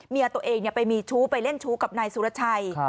เมียตัวเองไปมีชู้ไปเล่นชู้กับนายสุรชัย